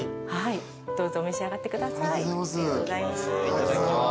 いただきます。